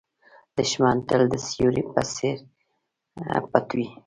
دښمن تل د سیوري په څېر پټ وي